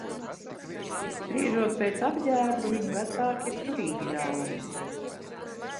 Spriežot pēc apģērba, viņu vecāki ir turīgi ļaudis.